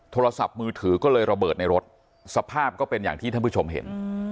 โทรศัพท์มือถือก็เลยระเบิดในรถสภาพก็เป็นอย่างที่ท่านผู้ชมเห็น